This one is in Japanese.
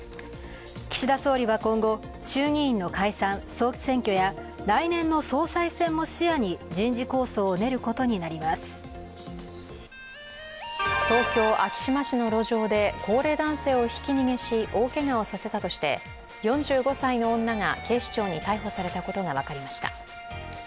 岸田総理は今後、衆議院の解散・総選挙や来年の総裁選も視野に東京・昭島市の路上で高齢男性をひき逃げし、大けがをさせたとして、４５歳の女が警視庁に逮捕されたことが分かりました。